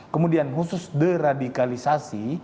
kemudian khusus deradikalisasi